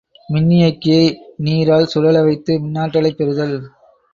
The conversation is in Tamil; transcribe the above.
மின்னியக்கியை நீரால் சுழல வைத்து மின்னாற்றலைப் பெறுதல்.